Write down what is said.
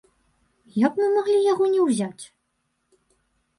Як мы маглі яго не ўзяць?